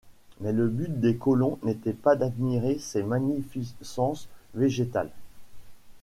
Mais le but des colons n’était pas d’admirer ces magnificences végétales